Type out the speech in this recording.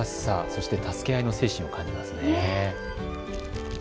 助け合いの精神を感じますね。